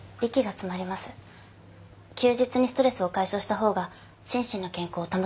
休日にストレスを解消した方が心身の健康を保てますから。